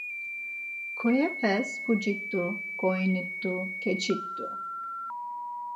Kyoyepes puci t̆u, ǩoini t̆u, keçi t̆u.